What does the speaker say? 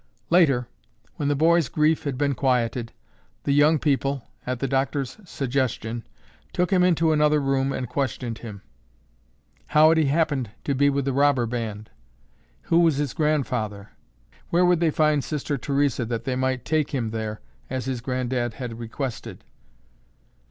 Later, when the boy's grief had been quieted, the young people, at the doctor's suggestion, took him into another room and questioned him. "How had he happened to be with the robber band?" "Who was his grandfather?" "Where would they find Sister Theresa that they might take him there as his granddad had requested?"